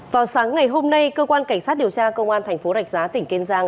vào sáng ngày hôm nay cơ quan cảnh sát điều tra công an tp rạch giá tỉnh kênh giang